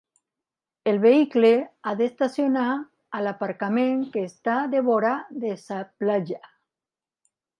El vehicle ha d'estacionar a l'aparcament que està devora de sa platja.